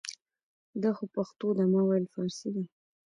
دا خو پښتو ده ما ویل فارسي ده